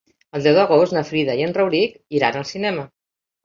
El deu d'agost na Frida i en Rauric iran al cinema.